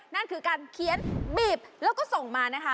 นั่นคือการเขียนบีบแล้วก็ส่งมานะคะ